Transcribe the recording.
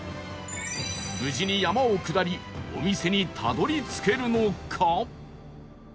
無事に山を下りお店にたどり着けるのか？